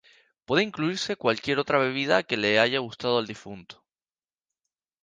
Puede incluirse cualquier otra bebida que le haya gustado al difunto.